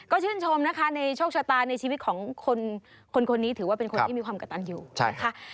ก็ชื่นชมนะคะในโชคชะตาในชีวิตของคนคนนี้ถือว่าเป็นคนที่มีความกระตันอยู่นะคะ